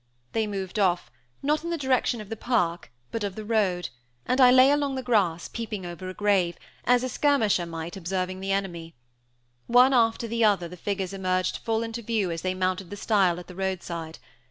They moved off, not in the direction of the park, but of the road, and I lay along the grass, peeping over a grave, as a skirmisher might observing the enemy. One after the other, the figures emerged full into view as they mounted the stile at the roadside.